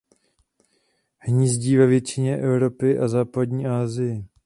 Hnízdí ve většině Evropy a západní Asii.